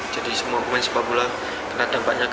jadi semua pemain sepabulan kena dampaknya